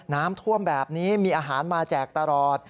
น้ำท่วมแบบนี้มีอาหารมาแจกตลอด